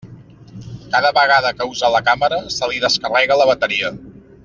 Cada vegada que usa la càmera se li descarrega la bateria.